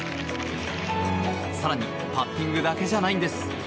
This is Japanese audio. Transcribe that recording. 更にパッティングだけじゃないんです。